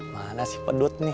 mana sih pedut nih